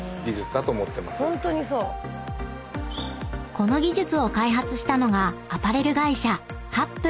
［この技術を開発したのがアパレル会社］